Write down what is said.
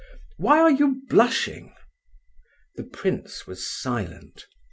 Why are you blushing?" The prince was silent.